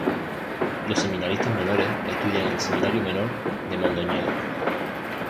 Los seminaristas menores estudian en el Seminario Menor de Mondoñedo.